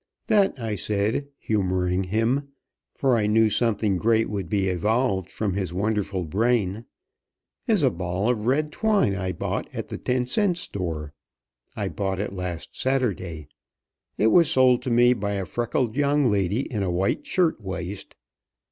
"That," I said, humoring him, for I knew something great would be evolved from his wonderful brain, "is a ball of red twine I bought at the ten cent store. I bought it last Saturday. It was sold to me by a freckled young lady in a white shirt waist.